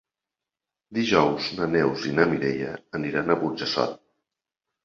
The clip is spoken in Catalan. Dijous na Neus i na Mireia aniran a Burjassot.